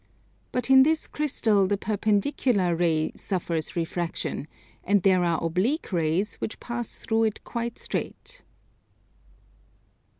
But in this Crystal the perpendicular ray suffers refraction, and there are oblique rays which pass through it quite straight.